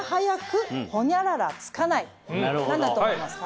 何だと思いますか？